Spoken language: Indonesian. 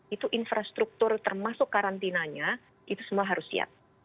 itu infrastruktur termasuk karantinanya itu semua harus siap